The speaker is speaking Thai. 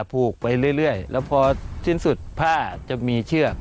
ผูกไปเรื่อยแล้วพอสิ้นสุดผ้าจะมีเชือก